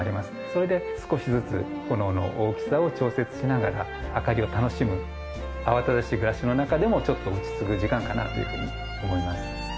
それで少しずつ炎の大きさを調節しながら明かりを楽しむ慌ただしい暮らしの中でもちょっと落ち着く時間かなというふうに思います